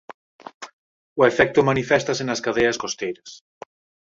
O efecto maniféstase nas Cadeas Costeiras.